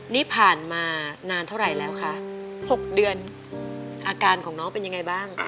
นี่ผ่านมานานเท่าไหร่แล้วคะ๖เดือนอาการของน้องเป็นยังไงบ้าง